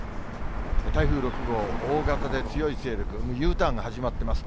台風６号、大型で強い勢力、Ｕターンが始まってます。